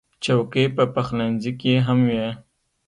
چوکۍ په پخلنځي کې هم وي.